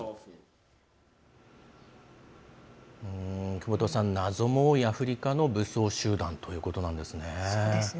久保田さん、謎も多いアフリカの武装集団ということなんですね。